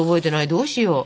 どうしよう。